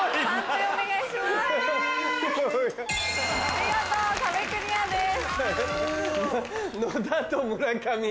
見事壁クリアです。